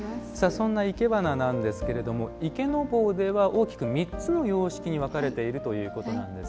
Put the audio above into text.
そんないけばななんですが、池坊では大きく３つの様式に分かれているということです。